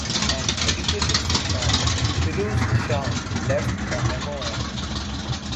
An educated sultan, Firuz Shah left a memoir.